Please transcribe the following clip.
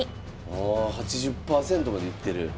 ああ８０％までいってる。